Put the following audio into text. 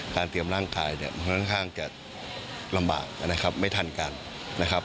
เตรียมร่างกายเนี่ยมันค่อนข้างจะลำบากนะครับไม่ทันกันนะครับ